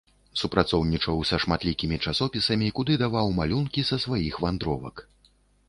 Супрацоўнічаў са шматлікімі часопісамі, куды даваў малюнкі са сваіх вандровак.